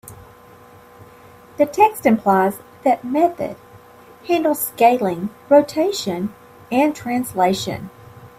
The text implies that method handles scaling, rotation, and translation.